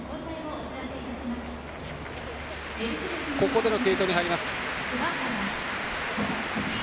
ここでの継投に入ります。